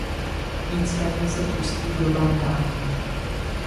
Nicméně se pustí do bádání.